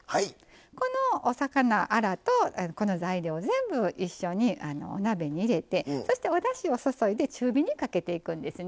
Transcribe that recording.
このお魚アラとこの材料全部一緒に鍋に入れてそしておだしを注いで中火にかけていくんですね。